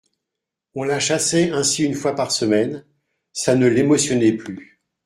On la chassait ainsi une fois par semaine ; ça ne l'émotionnait plus.